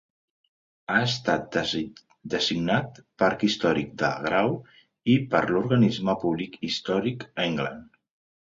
Ha estat designat Parc Històric de Grau I per l'organisme públic Historic England.